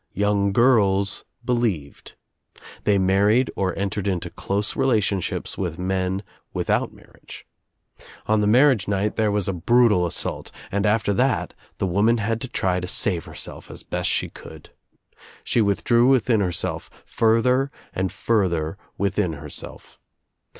Young girls believed. They married or entered into close relationships with men without marriage. On the marriage night there was a brutal assault and after that the woman had to try to save herself as best she could. She withdrew within herself, further and further within herself.